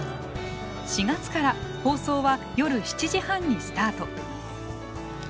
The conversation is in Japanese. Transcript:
４月から放送は夜７時半にスタート。